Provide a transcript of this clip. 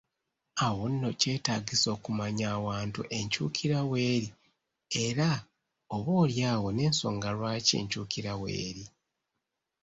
Awo nno kyetaagisa okumanya awantu enkyukira w’eri era oboolyawo n’ensonga lwaki enkyukira weeri.